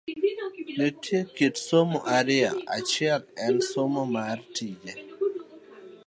Nitie kit somo ariyo, achiel en somo mar tije